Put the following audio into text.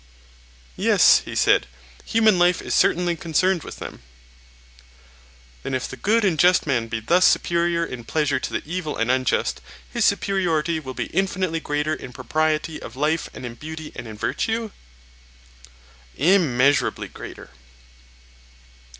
Yes, he said, human life is certainly concerned with them. Then if the good and just man be thus superior in pleasure to the evil and unjust, his superiority will be infinitely greater in propriety of life and in beauty and virtue? Immeasurably greater.